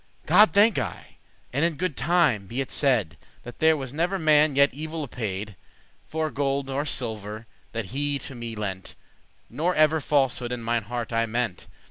*sure God thank I, and in good time be it said, That there was never man yet *evil apaid* *displeased, dissatisfied* For gold nor silver that he to me lent, Nor ever falsehood in mine heart I meant.